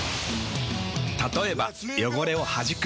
たとえば汚れをはじく。